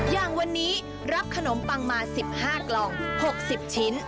อย่างวันนี้รับขนมปังมา๑๕กล่อง๖๐ชิ้น